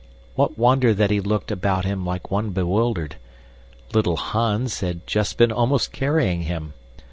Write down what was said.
What wonder that he looked about him like one bewildered. "Little Hans" had just been almost carrying him.